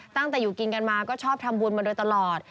ตั้งแต่อยู่กินกันมาก็ชอบทำบุญมาโดยตลอด